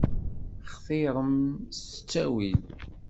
Xtiṛem s ttawil.